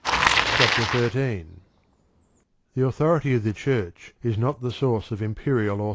CHAPTER XIIl The authority ^f the Church is not the source of Imperial I.